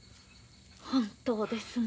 本当ですね？